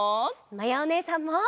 まやおねえさんも！